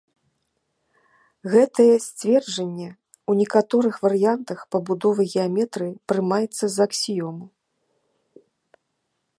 Гэтае сцверджанне ў некаторых варыянтах пабудовы геаметрыі прымаецца за аксіёму.